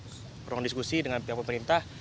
berlangganan diskusi dengan pihak pemerintah